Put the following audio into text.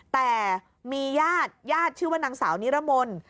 แต่มีญาติญาติชื่อว่านางสาวนิรมนต์